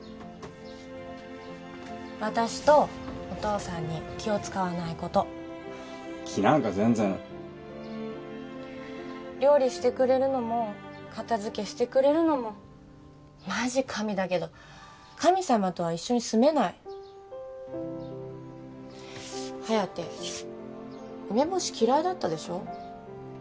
私とお父さんに気を使わないこと気なんか全然料理してくれるのも片づけしてくれるのもマジ神だけど神様とは一緒に住めない颯梅干し嫌いだったでしょ？